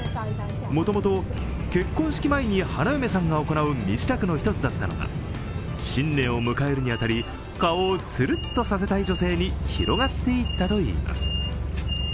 もともと結婚式前に花嫁さんが行う身支度の一つだったのが、新年を迎えるに当たり顔をツルッとさせたい女性に広がっていったといいます。